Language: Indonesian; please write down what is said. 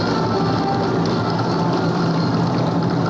untuk berkongsi tentang hal tersebut